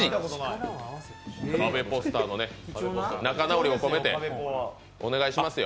カベポスターの仲直りを込めてお願いしますよ。